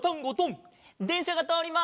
でんしゃがとおります！